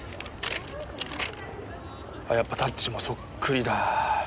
あっやっぱタッチもそっくりだ。